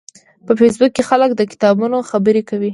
په فېسبوک کې خلک د کتابونو خبرې کوي